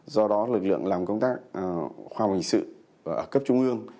do đó lực lượng làm công tác khoa học hình sự ở cấp trung ương